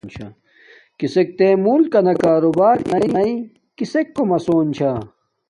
کسک تے ملکنا کاروبار ارناݵ کسک کوم اسون چھا،